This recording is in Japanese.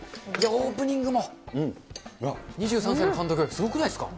オープニングも、２３歳の監督、すごくないですか。